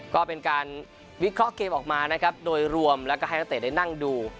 ก็เป็นการวิเคราะห์เกมออกมานะครับโดยรวมแล้วก็ให้นักเตะได้นั่งดู